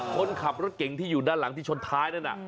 คนขับรถเก่งที่อยู่ด้านหลังที่ชนท้ายนั่นน่ะ